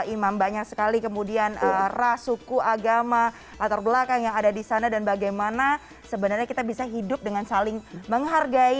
imam banyak sekali kemudian ras suku agama latar belakang yang ada di sana dan bagaimana sebenarnya kita bisa hidup dengan saling menghargai